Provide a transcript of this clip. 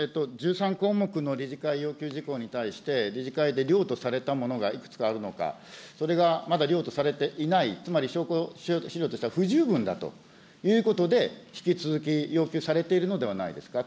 １３項目の理事会要求事項に対して、理事会で了とされたものがいくつかあるのか、それがまだ良とされていない、つまり証拠資料としては不十分だということで、引き続き要求されているのではないですか。